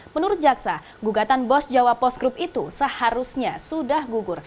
menurut jaksa gugatan bos jawa post group itu seharusnya sudah gugur